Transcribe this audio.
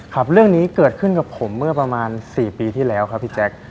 ครับเรื่องนี้เกิดขึ้นกับผมเมื่อประมาณ๔ปีที่แล้วครับพี่แจ๊ค